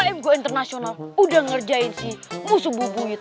wmgo internasional udah ngerjain si musuh bubu kita